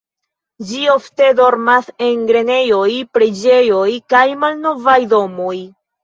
Ĝi ofte dormas en grenejoj, preĝejoj kaj malnovaj domoj.